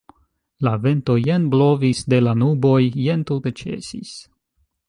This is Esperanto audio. La vento jen blovis de la nuboj, jen tute ĉesis.